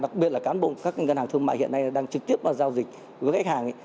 đặc biệt là cán bộ các ngân hàng thương mại hiện nay đang trực tiếp giao dịch với khách hàng